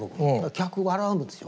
客笑うんですよ。